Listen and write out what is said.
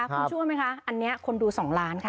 คุณชั่วไหมคะอันนี้คนดู๒ล้านค่ะ